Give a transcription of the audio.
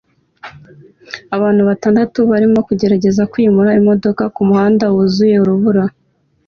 Abantu batandatu barimo kugerageza kwimura imodoka kumuhanda wuzuye urubura